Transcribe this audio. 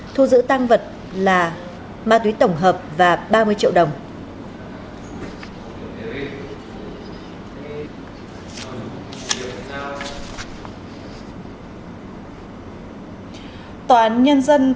thu giữ tăng vật là ma túy tổng hợp và ba mươi triệu đồng